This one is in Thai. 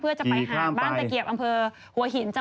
เพื่อจะไปห่างบ้านตะเกียบอำเภอหัวหินจังหวัดกระจวง